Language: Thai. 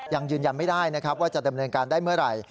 ยังยืนยันไม่ได้นะครับว่าจะดำเนินการได้เมื่อไหร่